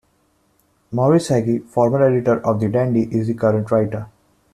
Morris Heggie, former editor of "The Dandy" is the current writer.